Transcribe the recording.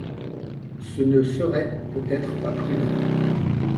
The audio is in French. Ce ne serait peut-être pas prudent.